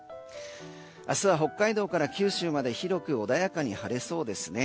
明日は北海道から九州まで広く穏やかに晴れそうですね。